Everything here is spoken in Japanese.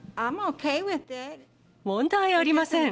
問題ありません。